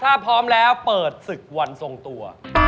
ถ้าพร้อมแล้วเปิดศึกวันทรงตัว